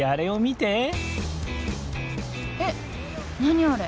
えっ何あれ？